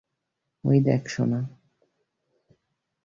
ওই দেখ, সোনা।